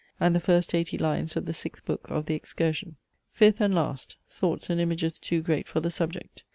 and the first eighty lines of the VIth Book of THE EXCURSION. Fifth and last; thoughts and images too great for the subject.